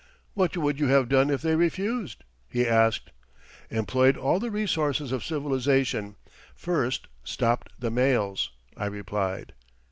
"What would you have done if they refused?" he asked. "Employed all the resources of civilization first, stopped the mails," I replied.